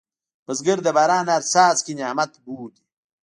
بزګر د باران هر څاڅکی نعمت بولي